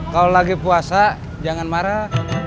kalau lagi puasa jangan marah